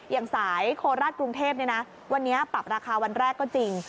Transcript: อย่างสายโคราชกรุงเทพวันนี้ปรับราคาวันแรกก็จริง